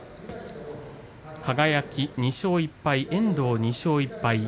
輝２勝１敗、遠藤２勝１敗。